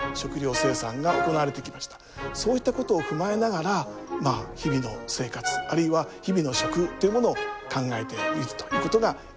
そういったことを踏まえながらまあ日々の生活あるいは日々の食というものを考えてみるということが重要かと思います。